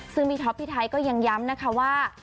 ซึ่งพี่ท็อปพี่ไทยก็ยังย้ำนะคะว่า